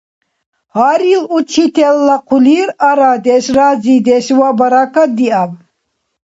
Гьарил учителла хъулир арадеш, разидеш ва баракат диаб!